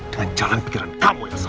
dengan jalan pikiran kamu elsa